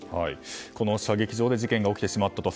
この射撃場で事件が起きてしまったと。